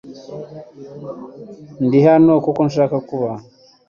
Ndi hano kuko nshaka kuba .